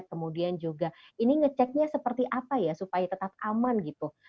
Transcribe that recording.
kemudian juga ini ngeceknya seperti apa ya supaya tetap aman gitu